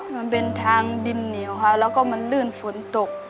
มันเป็นทางดินเหนียวค่ะแล้วก็มันลื่นฝนตก